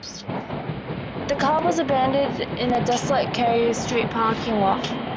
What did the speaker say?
The car was abandoned in a desolate K Street parking lot.